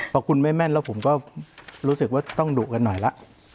พอคุณไม่แม่นแล้วผมก็รู้สึกว่าต้องดุกันหน่อยละ